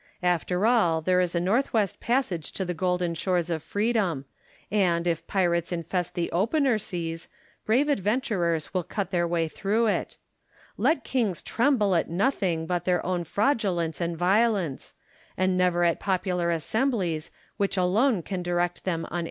After all there is a north west passage to the golden shores of Freedom ; and, if pirates infest the opener seas, brave adventurers will cut their way through it. Let kinffs tremble at nothing but their own fraudulcncc and GENERAL LACY AND CURA MERINO. 137 violence ; and never at popular assemblies, vfhich alone can direct them unerringly.